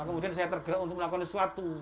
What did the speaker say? kemudian saya tergerak untuk melakukan sesuatu